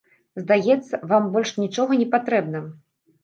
Здаецца, вам больш нічога не патрэбна.